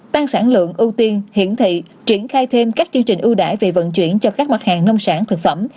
tăng sản lượng ưu tiên hiển thị triển khai thêm các chương trình ưu đại về vận chuyển cho các mặt hàng nông sản thực phẩm